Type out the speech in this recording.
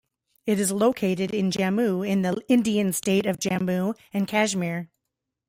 It is located in Jammu in the Indian state of Jammu and Kashmir.